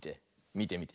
みてみて。